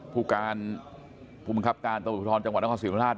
ผู้การผู้บังคับการตำรวจภูทรจังหวัดนครศรีธรรมราช